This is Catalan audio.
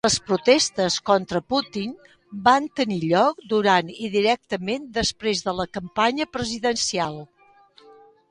Les protestes contra Putin van tenir lloc durant i directament després de la campanya presidencial.